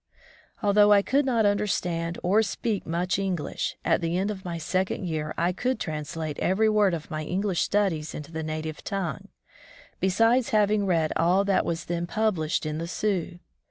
Although I could not understand or speak much English, at the end of my second year I could translate every word of my English studies into the native tongue, besides having read all that was then pub lished in the Sioux.